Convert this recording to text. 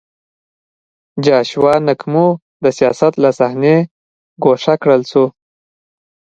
جاشوا نکومو د سیاست له صحنې ګوښه کړل شو.